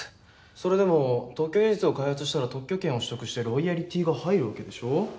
それでも特許技術を開発したら特許権を取得してロイヤルティーが入るわけでしょ。